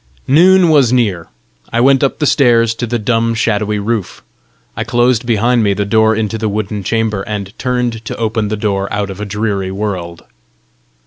Noon was near. I went up the stairs to the dumb, shadowy roof. I closed behind me the door into the wooden chamber, and turned to open the door out of a dreary world.